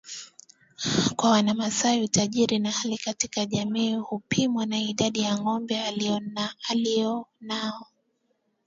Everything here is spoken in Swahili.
Kwa wamasai utajiri na hali katika jamii hupimwa na idadi ya ngombe alionao